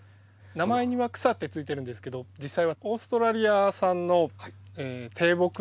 名前には「草」ってついてるんですけど実際はオーストラリア産の低木になりますね。